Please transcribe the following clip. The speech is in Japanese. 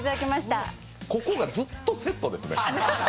ここが、ずっとセットですね！